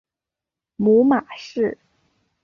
母马氏。